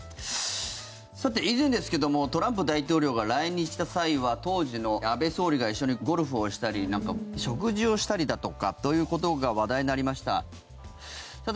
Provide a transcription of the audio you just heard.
さて、以前ですけどもトランプ大統領が来日した際は当時の安倍総理が一緒にゴルフをしたり食事をしたりだとかということが話題になりました。